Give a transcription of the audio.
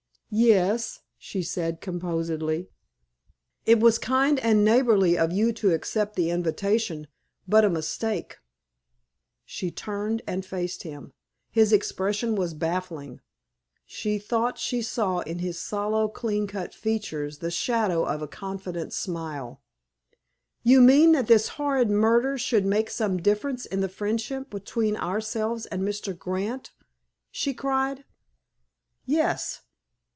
"Yes," she said composedly. "It was kind and neighborly of you to accept the invitation, but a mistake." She turned and faced him. His expression was baffling. She thought she saw in his sallow, clean cut features the shadow of a confident smile. "You mean that this horrid murder should make some difference in the friendship between ourselves and Mr. Grant?" she cried. "Yes.